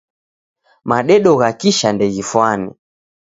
Madedo gha kisha ndeghifwane.